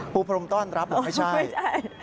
ปูพรมต้อนรับหรือไม่ใช่พูดไม่ใช่